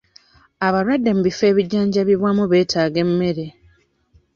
Abalwadde mu bifo ebijjanjabirwamu beetaaga emmere.